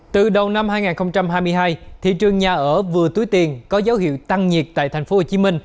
từ đầu năm hai nghìn hai mươi hai thị trường nhà ở vừa túi tiền có dấu hiệu tăng nhiệt tại tp hcm